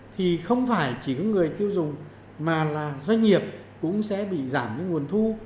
thì không phải chỉ có người tiêu dùng mà là doanh nghiệp cũng sẽ bị giảm cái nguồn thu